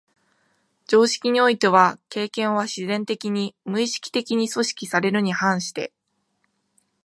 常識においては経験は自然的に、無意識的に組織されるに反して、